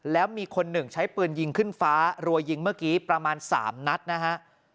แล้วมีคนหนึ่งใช้ปืนยิงขึ้นฟ้ารัวยิงเมื่อกี้ประมาณ๓นัดนะฮะ